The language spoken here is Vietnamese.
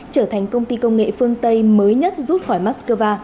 trở thành công ty công nghệ phương tây mới nhất rút khỏi moscow